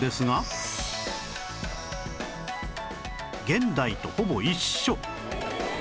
現代とほぼ一緒